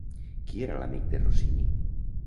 Qui era l'amic de Rossini?